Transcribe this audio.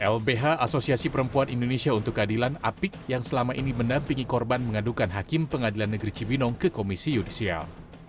lbh asosiasi perempuan indonesia untuk keadilan apik yang selama ini menampingi korban mengadukan hakim pengadilan negeri cibinong ke komisi yudisial